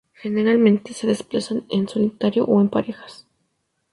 Generalmente se desplazan en solitario o en parejas.